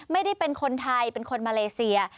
ไม่ได้เป็นคนไทยเป็นคนมาเลเซีย